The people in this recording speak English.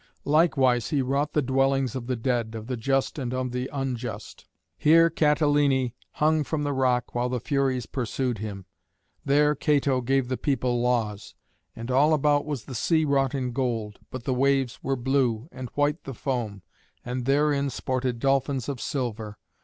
Likewise he wrought the dwellings of the dead, of the just and of the unjust. Here Catiline hung from the rock while the Furies pursued him; there Cato gave the people laws. And all about was the sea wrought in gold; but the waves were blue, and white the foam, and therein sported dolphins of silver.